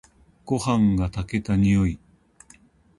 ごはんが炊けた匂い。